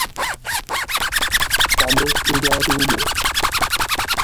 kwàdo ndị ọrụ ugbo